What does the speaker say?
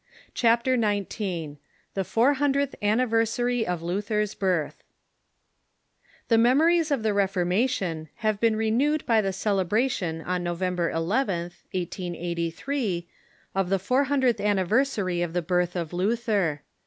CHAPTER XIX ^ THE FOUR HUNDREDTH ANNIVERSARY OF LUTHER'S BIRTH The memories of the Reformation have been rencAved by the celebration on November 11th, 1883, of the four hundredth anniversary of the birth of Luther.